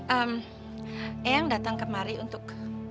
ea yang datang kemari untuk